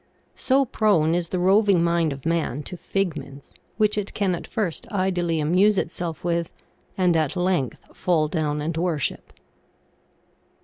So prone is the roving mind of man to fig ments, which it can at first idly amuse itself with, and at length fall down and worship.